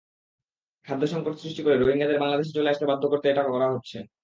খাদ্যসংকট সৃষ্টি করে রোহিঙ্গাদের বাংলাদেশে চলে আসতে বাধ্য করতে এটা করা হচ্ছে।